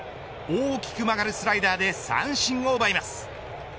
大きく曲がるスライダーで三振を奪います。